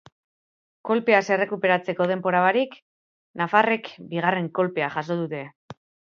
Kolpeaz errekuperatzeko denbora barik, nafarrek bigarren kolpea jaso dute.